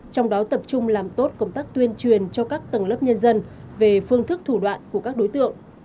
trong đó tập trung làm tốt công tác tuyên truyền cho các tầng lớp nhân dân về phương thức thủ đoạn của các đối tượng